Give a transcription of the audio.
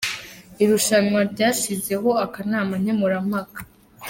Irushanwa ryashyizeho akanama nkemurampaka